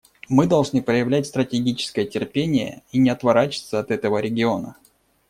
Мы должны проявлять стратегическое терпение и не отворачиваться от этого региона.